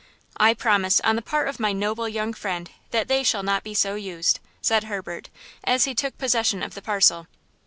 "I promise, on the part of my noble young friend, that they shall not be so used," said Herbert, as he took possession of the parcel.